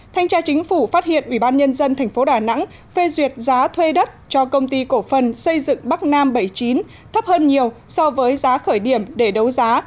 thanh tra chính phủ phát hiện ubnd tp đà nẵng phê duyệt giá thuê đất cho công ty cổ phần xây dựng bắc nam bảy mươi chín thấp hơn nhiều so với giá khởi điểm để đấu giá